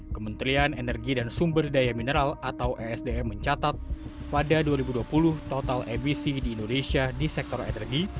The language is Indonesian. kementerian energi dan sumber daya mineral atau esdm mencatat pada dua ribu dua puluh total emisi di indonesia di sektor energi